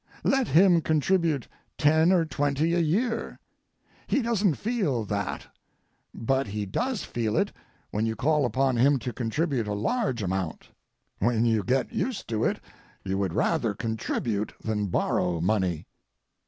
Let him contribute ten or twenty a year. He doesn't feel that, but he does feel it when you call upon him to contribute a large amount. When you get used to it you would rather contribute than borrow money.